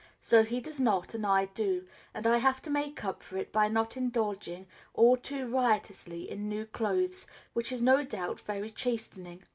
So he does not and I do, and I have to make up for it by not indulging all too riotously in new clothes, which is no doubt very chastening.